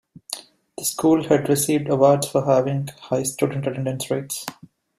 The school had received awards for having high student attendance rates.